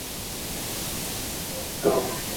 wanashutumiwa vikali kwa kufanya ubakaji nini